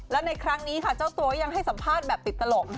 และในครั้งนี้ค่ะเจ้าตัวยังให้สัมภาษณ์แบบติดตลก